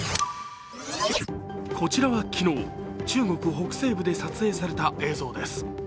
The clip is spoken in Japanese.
こちらは昨日、中国北西部で撮影された映像です。